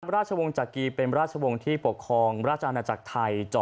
ราชวงศ์จักรีเป็นราชวงศ์ที่ปกครองราชอาณาจักรไทย